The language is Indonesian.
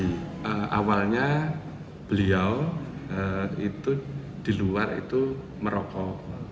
jadi awalnya beliau itu di luar itu merokok